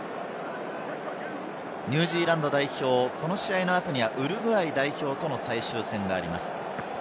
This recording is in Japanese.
ニュージーランド代表、この試合の後にウルグアイ代表との最終戦があります。